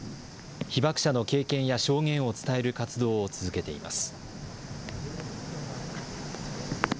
被爆者の経験や証言を伝える活動を続けています。